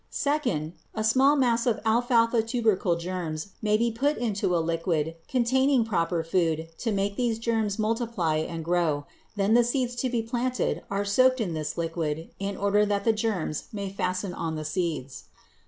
Second, a small mass of alfalfa tubercle germs may be put into a liquid containing proper food to make these germs multiply and grow; then the seeds to be planted are soaked in this liquid in order that the germs may fasten on the seeds.